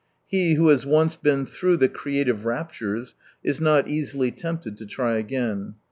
He who has once been through the creative raptures is not easily tempted to try again.